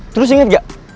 terus inget gak